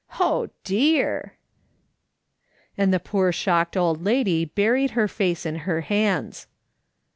Oh dear !" And the poor shocked old lady buried her face in her hands.